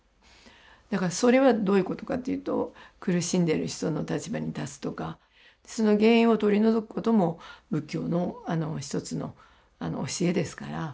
だからそれはどういうことかというと苦しんでる人の立場に立つとかその原因を取り除くことも仏教の一つの教えですから。